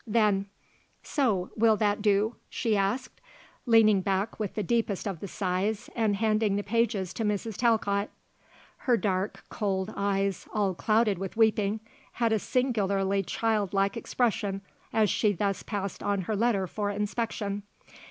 Then: "So: will that do?" she asked, leaning back with the deepest of the sighs and handing the pages to Mrs. Talcott. Her dark, cold eyes, all clouded with weeping, had a singularly child like expression as she thus passed on her letter for inspection.